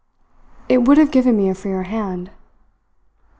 "It would have given me a freer hand."